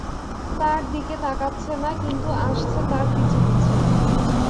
তার দিকে তাকাচ্ছে না, কিন্তু আসছে তার পিছু পিছু।